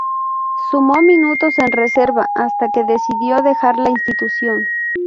Sumó minutos en reserva hasta que decidió dejar la institución.